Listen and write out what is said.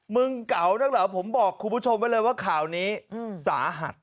เก่านักเหรอผมบอกคุณผู้ชมไว้เลยว่าข่าวนี้สาหัส